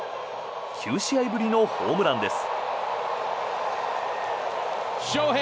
９試合ぶりのホームランです。